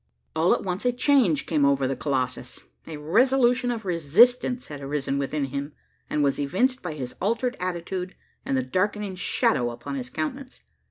All at once, a change came over the colossus. A resolution of resistance had arisen within him as was evinced by his altered attitude and the darkening shadow upon his countenance.